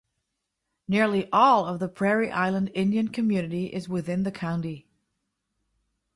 Nearly all of Prairie Island Indian Community is within the county.